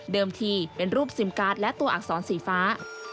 ทีเป็นรูปซิมการ์ดและตัวอักษรสีฟ้า